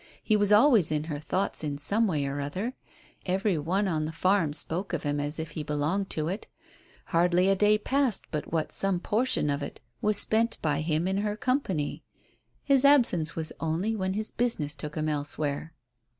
He was always in her thoughts in some way or other. Every one on the farm spoke of him as if he belonged to it. Hardly a day passed but what some portion of it was spent by him in her company. His absence was only when his business took him elsewhere.